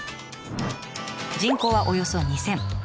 人口はおよそ２，０００。